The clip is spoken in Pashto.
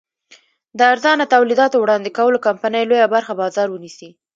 د ارزانه تولیداتو وړاندې کولو کمپنۍ لویه برخه بازار ونیسي.